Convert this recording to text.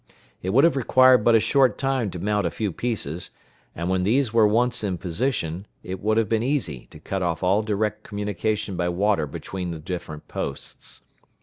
It would have required but a short time to mount a few pieces; and when these were once in position, it would have been easy to cut off all direct communication by water between the different posts.